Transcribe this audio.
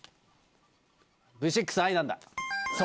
Ｖ６『愛なんだ』。